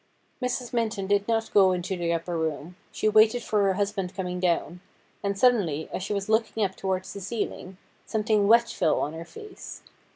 Mrs. Minton did not go into the upper room. She waited for her husband coming down ; and suddenly, as she was looking up towards the ceiling, something wet fell on her face.